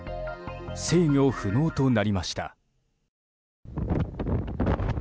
制御不能となりました。